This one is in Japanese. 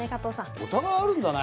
お互いあるんだね。